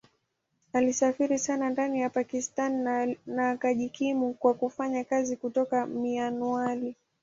Alisafiri sana ndani ya Pakistan na akajikimu kwa kufanya kazi kutoka Mianwali.